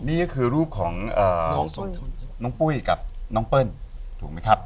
นี่ก็คือรูปของน้องปุ้ยกับน้องเปิ้ลถูกไหมครับ